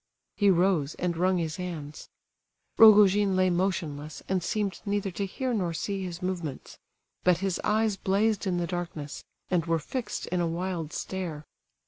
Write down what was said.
He rose, and wrung his hands. Rogojin lay motionless, and seemed neither to hear nor see his movements; but his eyes blazed in the darkness, and were fixed in a wild stare.